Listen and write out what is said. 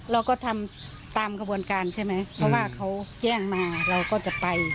เราก็ทำตามกระบวนการใช่ไหมเพราะว่าเขาแจ้งมาเราก็จะไป